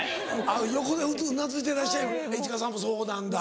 横でうなずいてらっしゃる市川さんもそうなんだ。